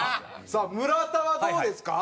さあ村田はどうですか？